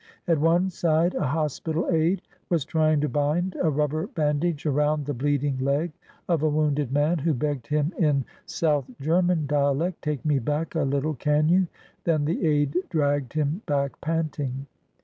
At one side a hospital aid was tr^dng to bind a rubber bandage around the bleeding leg of a wounded man who begged him in South 478 ADVANCING UPON THE ENEMY German dialect : "Take me back a little, can you? " Then the aid dragged him back panting.